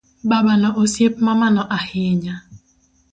Babano osiep mamano ahinya